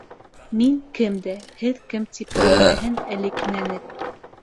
Мин кем дә, һеҙ кем тип йөрөмәһен әле кинәнеп.